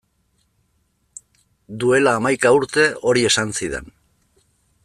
Duela hamaika urte hori esan zidan.